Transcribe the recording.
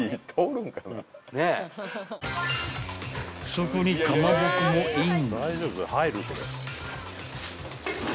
［そこにかまぼこもイン］